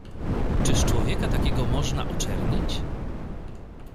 "Czyż człowieka takiego można oczernić?"